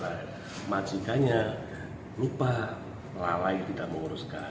lalu majikanya lupa lalai tidak menguruskan